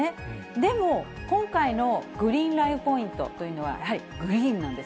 でも、今回のグリーンライフ・ポイントというのは、やはりグリーンなんです。